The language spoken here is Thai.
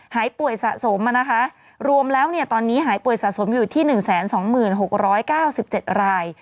หายป่วยสะสมมานะคะรวมแล้วตอนนี้หายป่วยสะสมอยู่ที่๑๒๖๙๗ราย